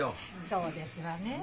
そうですわねえ。